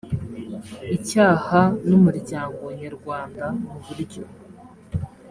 icyaha n umuryango nyarwanda mu buryo